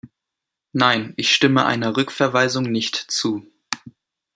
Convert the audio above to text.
Nein, ich stimme einer Rückverweisung nicht zu.